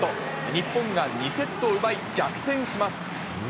日本が２セットを奪い、逆転します。